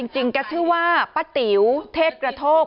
แกชื่อว่าป้าติ๋วเทพกระโทก